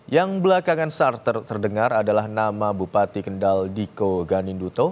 yang belakangan sar terdengar adalah nama bupati kendal diko ganinduto